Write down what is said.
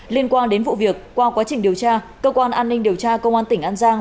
liên quan đến vụ việc qua quá trình điều tra cơ quan an ninh điều tra công an tỉnh an giang